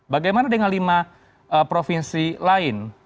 bagaimana dengan lima provinsi lain